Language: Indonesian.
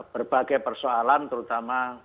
berbagai persoalan terutama